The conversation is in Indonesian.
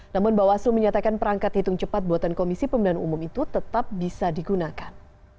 namun bawaslu menyatakan perangkat hitung cepat buatan komisi pemilihan umum itu tetap bisa digunakan